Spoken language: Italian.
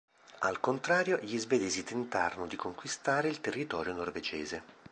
Al contrario, gli svedesi tentarono di conquistare il territorio norvegese.